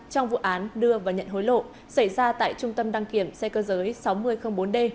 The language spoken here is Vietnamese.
trong vụ án đưa và nhận hối lộ xảy ra tại trung tâm đăng kiểm xe cơ giới sáu nghìn bốn d